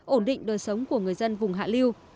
ổn định đời sống của người dân vùng hạ liêu